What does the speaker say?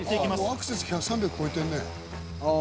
アクセス３００超えてんね。